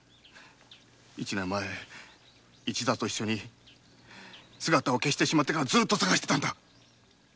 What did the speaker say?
一年前一座と一緒に姿を消してしまってから捜してたんだ。